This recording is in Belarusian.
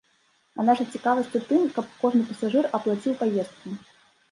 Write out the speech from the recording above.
А наша цікавасць у тым, каб кожны пасажыр аплаціў паездку.